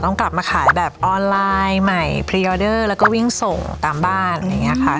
ต้องกลับมาขายแบบออนไลน์ใหม่แล้วก็วิ่งส่งตามบ้านอย่างเงี้ยค่ะ